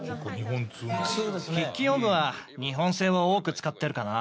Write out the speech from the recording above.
筆記用具は日本製を多く使ってるかな。